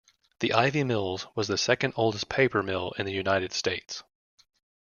The Ivy Mills was the second oldest paper mill in the United States.